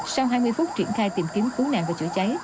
sau hai mươi phút triển khai tìm kiếm cứu nạn và chữa cháy